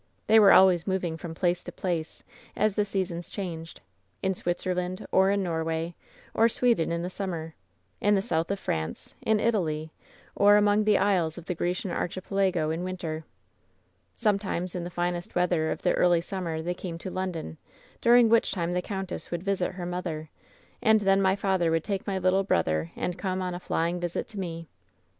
"They were always moving from place to place, as the seasons changed — in Switzerland, or in Norway, or Sweden in the summer ; in the south of France, in Italy, or among the isles of the Grecian Archipelago in win ter. Sometimes in the finest weather of the early sum mer they came to London, during which time the count ess would visit her mother, and then my father would take my little brother and come on a flying visit to me.